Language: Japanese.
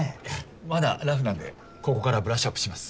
まだラフなんでここからブラッシュアップします。